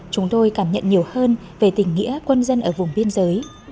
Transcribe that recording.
chúng tôi cảm nhận nhiều hơn về tình nghĩa quân dân ở vùng biên giới